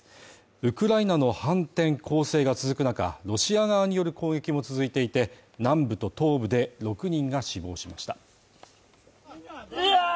ウクライナの反転攻勢が続く中、ロシア側による攻撃も続いていて、南部と東部で６人が死亡しました。